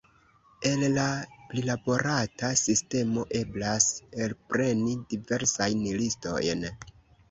El la prilaborata sistemo eblas elpreni diversajn listojn.